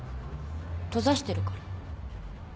閉ざしてるから。